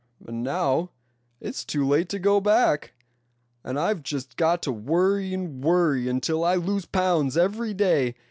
And now, it's too late to go back, and I've just got to worry and worry until I lose pounds every day.